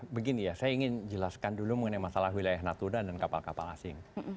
begini ya saya ingin jelaskan dulu mengenai masalah wilayah natuna dan kapal kapal asing